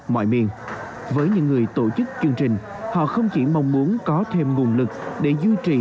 mọi miền với những người tổ chức chương trình họ không chỉ mong muốn có thêm nguồn lực để duy trì